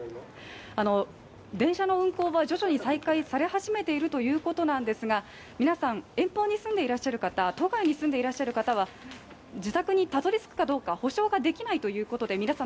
電車の運行は徐々に再開され始めているということなんですが皆さん遠方に住んでいらっしゃる方とか都外に住んでいらっしゃる方は、自宅にたどり着くかどうか保証ができないということで皆さん